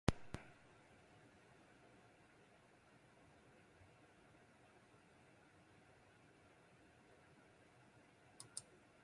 Arabarrek garaipenaren bideari heldu nahi diote berriro, azken hiru partidak galdu ostean.